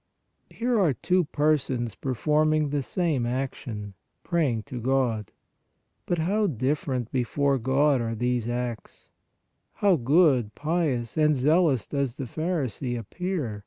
Here are two persons performing the same ac tion, praying to God. But how different before God are these acts! How good, pious and zealous does the pharisee appear!